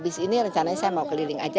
habis ini rencananya saya mau keliling aja